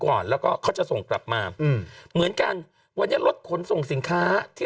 ก่อนแล้วก็เขาจะส่งกลับมาอืมเหมือนกันวันนี้รถขนส่งสินค้าที่